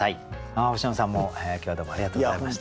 星野さんも今日はどうもありがとうございました。